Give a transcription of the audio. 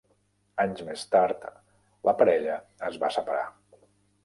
Anys més tard la parella es va separar.